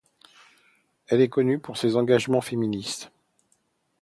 Elle est connue pour ses engagements féministes.